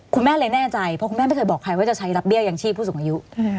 คุณแม่เลยแน่ใจเพราะคุณแม่ไม่เคยบอกใครว่าจะใช้รับเบี้ยยังชีพผู้สูงอายุ